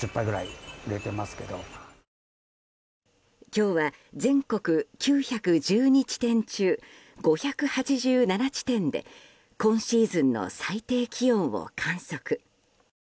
今日は全国９１２地点中５８７地点で今シーズンの最低気温を観測。